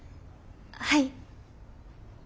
はい。